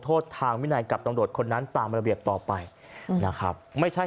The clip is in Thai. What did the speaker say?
โทษทางวินัยกับตำรวจคนนั้นตามระเบียบต่อไปนะครับไม่ใช่